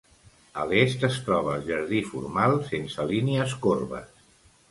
A l'est es troba el jardí formal, sense línies corbes.